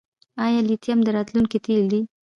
آیا لیتیم د راتلونکي تیل دي؟